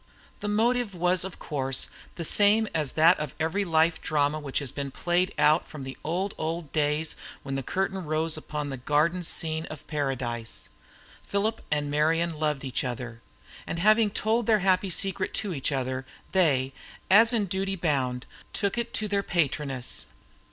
The motive was of course the same as that of every life drama which has been played out from the old, old days when the curtain rose upon the garden scene of Paradise. Philip and Marian loved each other, and having told their happy secret to each other, they, as in duty bound, took it to their patroness.